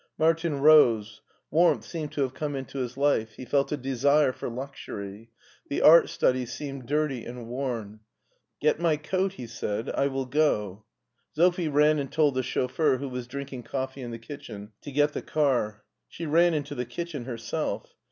Martin rose ; warmth seemed to have come ifito his SCHWARZWALD 301 life; he felt a desire for luxury; the art study seemed dirty and worn. " Get my coat," he said; " I will go." Sophie ran and told the chauffeur, who was drinking coffee in the kitchen, to get the car. She ran into the kitchen herself.